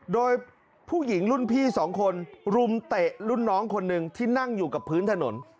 โดยผู้หญิงรุ่นพี่สองคนรุมเตะรุ่นน้องคนหนึ่งที่นั่งอยู่กับพื้นถนน